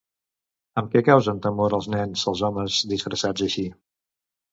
Amb què causen temor als nens els homes disfressats així?